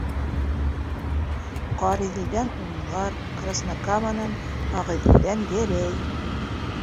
Ҡариҙелдән - унлар, Краснокаманан, Ағиҙелдән - гәрәй;